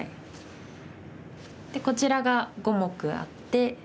こちらが５目あって。